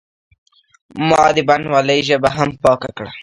ما د بڼوالۍ ژبه هم پاکه کړه.